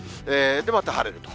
で、また晴れると。